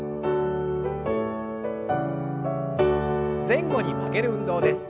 前後に曲げる運動です。